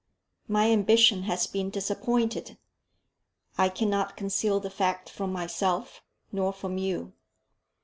"My ambition has been disappointed. I cannot conceal the fact from myself, nor from you.